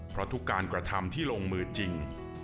เพราะทุกการกระทำที่ลงมือจริง